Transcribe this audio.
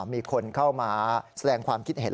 มีคนเข้ามาแสดงความคิดเห็น